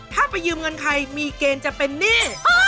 ถ้าไปยืมเงินใครมีเกณฑ์จะเป็นหนี้